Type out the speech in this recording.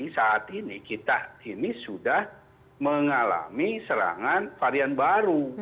saat ini kita ini sudah mengalami serangan varian baru